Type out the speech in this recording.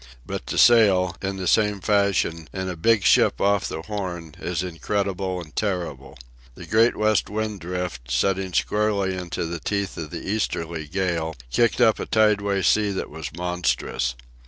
But to sail, in the same fashion, in a big ship off the Horn, is incredible and terrible. The Great West Wind Drift, setting squarely into the teeth of the easterly gale, kicked up a tideway sea that was monstrous.